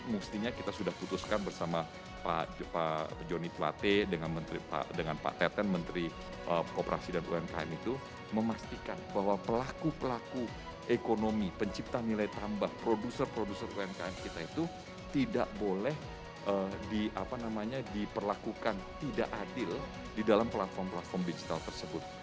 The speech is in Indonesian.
mestinya kita sudah putuskan bersama pak joni tlatel dengan pak teten menteri kooperasi dan umkm itu memastikan bahwa pelaku pelaku ekonomi pencipta nilai tambah produser produser umkm kita itu tidak boleh diperlakukan tidak adil di dalam platform platform digital tersebut